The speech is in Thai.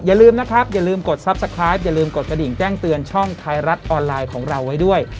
อย่าลืมนะครับอย่าลืมกดทรัพย์สคราฟอย่าลืมกดกระดิ่งแจ้งเตือนช่องไทยรัฐออนไลน์ของเราไว้ด้วย